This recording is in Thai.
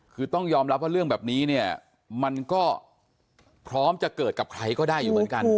คือต้องยอมรับว่าเรื่องแบบนี้เนี่ยมันก็พร้อมจะเกิดกับใครก็ได้อยู่เหมือนกัน